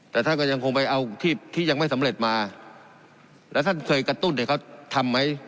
แต่ท่านก็ยังคงไปเอาที่ที่ยังไม่สำเร็จมาแล้วท่านเคยกระตุ้นให้เขาทำไหม